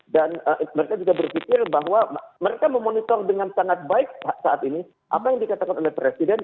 dan mereka juga berpikir bahwa mereka memonitor dengan sangat baik saat ini apa yang dikatakan oleh presiden